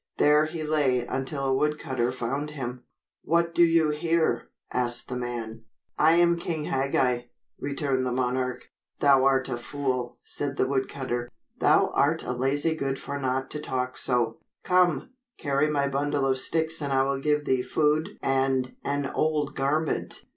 There he lay until a wood cutter found him. "What do you here?" asked the man. "I am King Hagag," returned the monarch. "Thou art a fool," said the wood cutter. "Thou art a lazy good for naught to talk so. Come, carry my bundle of sticks and I will give thee food and an old garment."